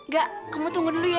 gak kamu tunggu dulu ya